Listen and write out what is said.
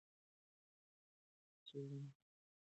څېړونکو وویل چې کولمو بکتریاوې د رواني هوساینې لپاره مهمې دي.